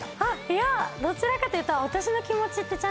いやどちらかというと。